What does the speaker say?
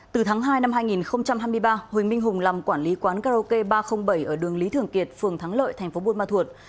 từ tháng hai năm hai nghìn hai mươi ba huỳnh minh hùng làm quản lý quán karaoke ba trăm linh bảy ở đường lý thường kiệt phường thắng lợi tp bunma thuột